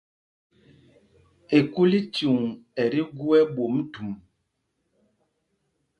Ekúlícuŋ ɛ tí gú ɛ́ɓwôm thûm.